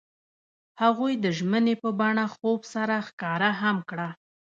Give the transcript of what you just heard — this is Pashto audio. هغوی د ژمنې په بڼه خوب سره ښکاره هم کړه.